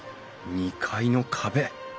２階の壁